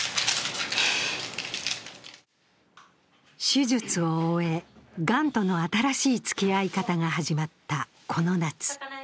手術を終え、がんとの新しいつきあい方が始まったこの夏。